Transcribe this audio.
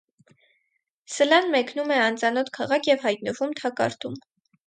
Սըլան մեկնում է անծանոթ քաղաք և հայտնվում թակարդում։